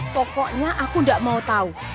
pokoknya aku gak mau tahu